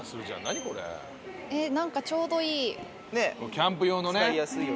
キャンプ用のね。